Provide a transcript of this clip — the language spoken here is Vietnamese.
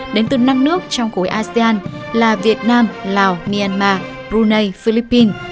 đến từ năm nước trong khối asean là việt nam lào myanmar brunei philippines